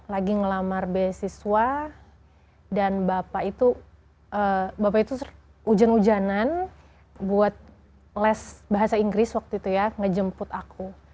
lagi ngelamar beasiswa dan bapak itu bapak itu ujan ujanan buat les bahasa inggris waktu itu ya ngejemput aku